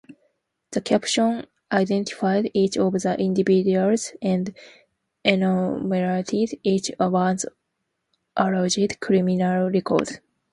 The caption identified each of the individuals and enumerated each one's alleged criminal record.